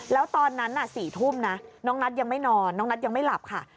แล้วตอนนั้น๔ทุ่มนะน้องนัทยังไม่นอนน้องนัทยังไม่หลับค่ะ